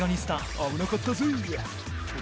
危なかったぜ。